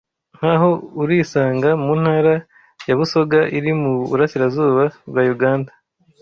nk’aho urisanga mu ntara ya Busoga iri mu burasirazuba bwa Uganda